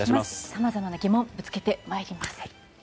さまざまな疑問ぶつけてまいります。